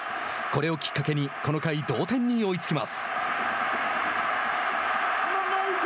これをきっかけにこの回、同点に追いつきます。